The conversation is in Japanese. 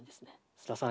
須田さん